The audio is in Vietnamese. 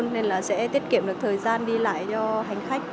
nên là sẽ tiết kiệm được thời gian đi lại cho hành khách